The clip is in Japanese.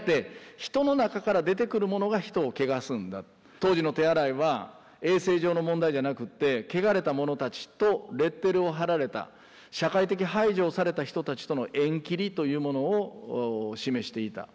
当時の手洗いは衛生上の問題じゃなくってけがれた者たちとレッテルを貼られた社会的排除をされた人たちとの縁切りというものを示していた。